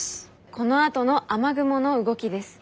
このあとの雨雲の動きです。